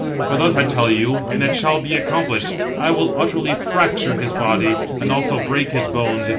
For thus I tell you, and it shall be accomplished, I will utterly fracture his body, and also break his bones.